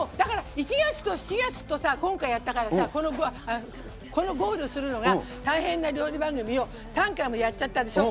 １月と７月と今回やったからさゴールするのが大変な料理番組を３回もやっちゃったでしょ？